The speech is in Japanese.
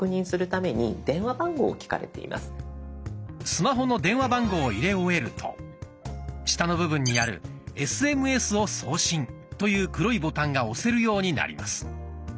スマホの電話番号を入れ終えると下の部分にある「ＳＭＳを送信」という黒いボタンが押せるようになります。